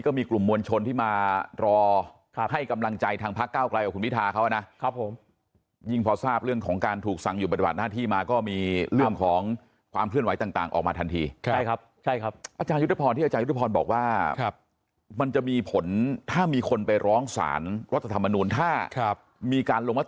มีกลุ่มมวลชนที่มารอให้กำลังใจทางพักเก้าไกลกับคุณพิธาเขานะครับผมยิ่งพอทราบเรื่องของการถูกสั่งหยุดปฏิบัติหน้าที่มาก็มีเรื่องของความเคลื่อนไหวต่างออกมาทันทีใช่ครับใช่ครับอาจารยุทธพรที่อาจารยุทธพรบอกว่ามันจะมีผลถ้ามีคนไปร้องสารรัฐธรรมนูลถ้ามีการลงม